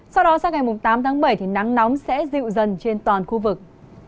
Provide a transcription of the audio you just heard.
sau đó sang ngày tám tháng bảy thì nắng nóng sẽ dịu dần trên toàn khu vực